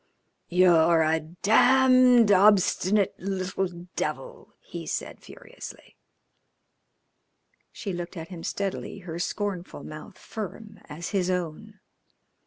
"You're a damned obstinate little devil!" he said furiously. She looked at him steadily, her scornful mouth firm as his own.